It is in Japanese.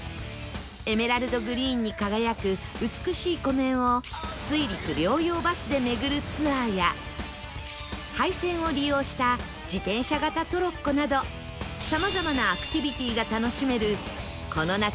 エメラルドグリーンに輝く美しい湖面を水陸両用バスで巡るツアーや廃線を利用した自転車型トロッコなどさまざまなアクティビティーが楽しめるこの夏